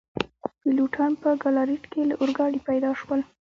پیلوټان په ګالاریټ کي له اورګاډي پیاده شول.